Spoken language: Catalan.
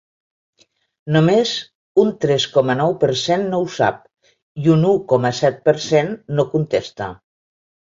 Només un tres coma nou per cent no ho sap, i un u coma set per cent no contesta.